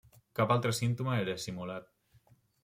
Cap altre símptoma era simulat.